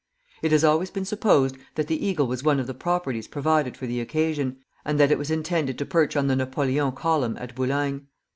It has always been supposed that the eagle was one of the "properties" provided for the occasion, and that it was intended to perch on the Napoleon Column at Boulogne.